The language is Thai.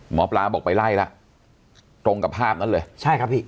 หมอปลาบอกไปไล่ละตรงกับภาพนั้นเลยใช่ครับพี่